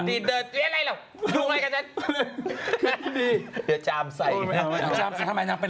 ดีดเดินเรียอะไรโหยละลูกไอนกับฉัน